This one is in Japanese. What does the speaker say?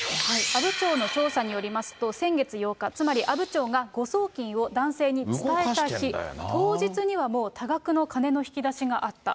阿武町の調査によりますと、先月８日、つまり阿武町が誤送金を男性に伝えた日、当日にはもう多額の金の引き出しがあった。